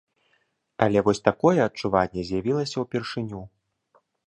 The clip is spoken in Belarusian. Але вось такое адчуванне з'явілася ўпершыню.